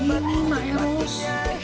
ini mak eros